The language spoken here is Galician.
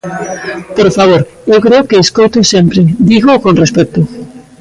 Por favor, eu creo que escoito sempre, dígoo con respecto.